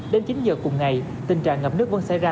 đến chín giờ cùng ngày tình trạng ngập nước vẫn xảy ra